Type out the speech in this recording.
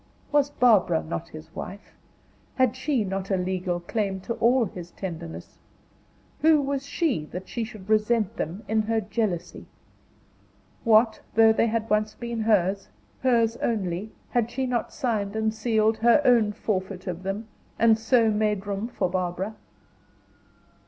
Was Barbara not his wife? Had she not a legal claim to all his tenderness? Who was she that she should resent them in her jealousy? What, though they had once been hers, hers only, had she not signed and sealed her own forfeit of them, and so made room for Barbara?